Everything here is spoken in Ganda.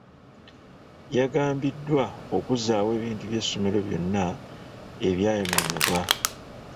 Yagambiddwa okuzaawo ebintu by'essomero byonna ebyayonoonebwa.